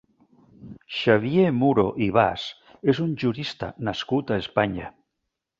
Xavier Muro i Bas és un jurista nascut a Espanya.